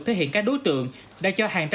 thể hiện các đối tượng đã cho hàng trăm phần tiền